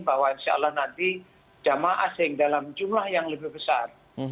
bahwa insya allah nanti jemaah asing dalam jumlah yang lebih besar